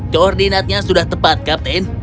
koordinatnya sudah tepat kapten